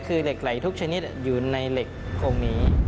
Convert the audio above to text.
คือเหล็กไหลทุกชนิดอยู่ในเหล็กโครงนี้